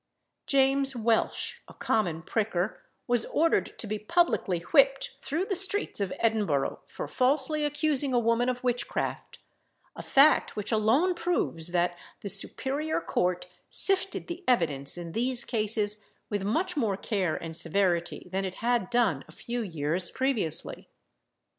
James Welsh, a common pricker, was ordered to be publicly whipped through the streets of Edinburgh for falsely accusing a woman of witchcraft; a fact which alone proves that the superior court sifted the evidence in these cases with much more care and severity than it had done a few years previously.